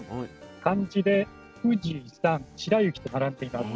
漢字で「富士山白雪」と並んでいます。